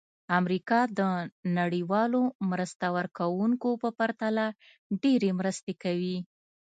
امریکا د نړیوالو مرسته ورکوونکو په پرتله ډېرې مرستې کوي.